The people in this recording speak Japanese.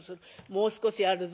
もう少しあるぞ。